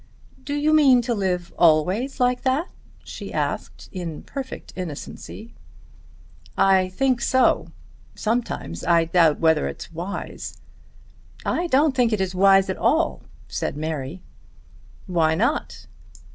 "Do you mean to live always like that?" she asked, in perfect innocency. "I think so. Sometimes I doubt whether it's wise." "I don't think it wise at all," said Mary. "Why not?"